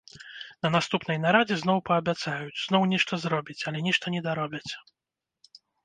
На наступнай нарадзе зноў паабяцаюць, зноў нешта зробяць, але нешта недаробяць.